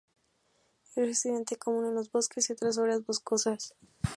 Es residente común en los bosques y otras áreas boscosas.